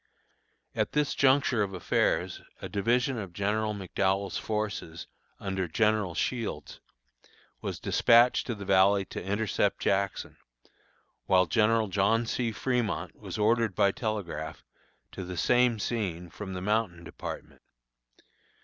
At this juncture of affairs, a division of General McDowell's forces, under General Shields, was dispatched to the valley to intercept Jackson, while General John C. Fremont was ordered by telegraph to the same scene from the Mountain Department.